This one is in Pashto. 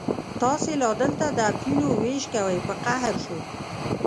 تاسې لا دلته د اپینو وېش کوئ، په قهر شو.